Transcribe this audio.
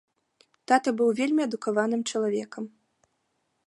Тата быў вельмі адукаваным чалавекам.